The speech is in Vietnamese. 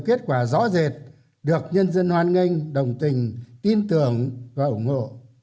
kết quả rõ rệt được nhân dân hoan nghênh đồng tình tin tưởng và ủng hộ